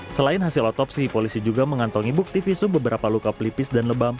selain hasil otopsi polisi juga mengantongi bukti visum beberapa luka pelipis dan lebam